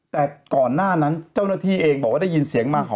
แต่ก่อนหน้านั้นเจ้าหน้าที่เองบอกว่าได้ยินเสียงมาหอ